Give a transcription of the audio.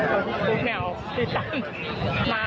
ขอบคุณแหม่วเดี๋ยวตาม